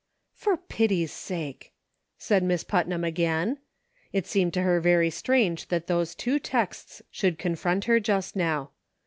" For pity's sake !" said Miss Putnam again. It seemed to her very strange that those two texts should confront her just now.